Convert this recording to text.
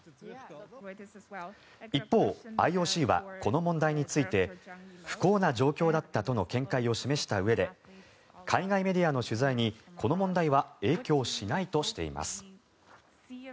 一方、ＩＯＣはこの問題について不幸な状況だったとの見解を示したうえで海外メディアの取材にこの問題は影響しないとしています。